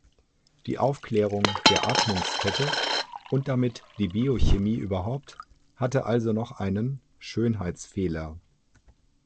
Die Aufklärung der Atmungskette, und damit die Biochemie überhaupt, hatte also noch einen „Schönheitsfehler“.